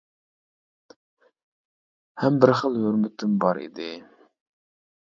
ھەم بىر خىل ھۆرمىتىم بار ئىدى.